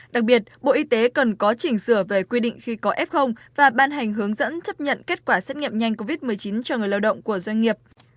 đặc biệt bộ y tế cần có chỉnh sửa về quy định khi có f và ban hành hướng dẫn chấp nhận kết quả xét nghiệm nhanh covid một mươi chín cho người lao động của doanh nghiệp